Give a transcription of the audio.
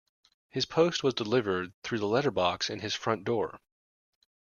His post was delivered through the letterbox in his front door